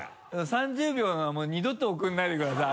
３０秒のもう二度と送らないでください